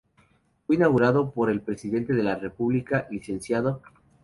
Fue inaugurado por el presidente de la república Lic.